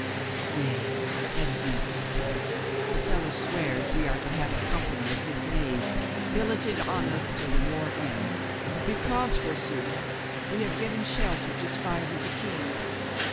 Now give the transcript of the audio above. "Nay, that is no help, sir. The fellow swears we are to have a company of his knaves billeted on us till the war ends — because, forsooth, we have given shelter to spies of the King.